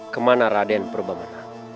kemana raden perubah menang